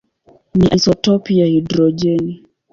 ni isotopi ya hidrojeni.